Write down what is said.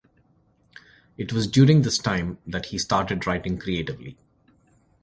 It was during this time that he started writing creatively.